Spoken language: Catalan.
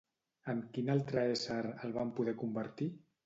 En quin altre ésser el van poder convertir?